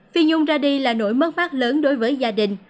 phi nhung ra đi là nỗi mất mát lớn đối với gia đình